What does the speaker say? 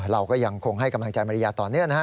เราก็ยังคงให้กำลังใจมาริยาต่อเนื่องนะฮะ